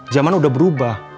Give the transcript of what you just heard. zaman udah berubah